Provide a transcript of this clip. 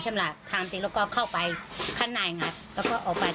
ไม่ต้องห่างพี่ขโมยเค้าพุกเตอร์เป็นไปไม่ได้แหละ